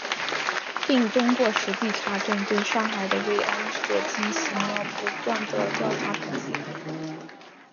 并通过实地查证，对上海的慰安所进行了不断地调查统计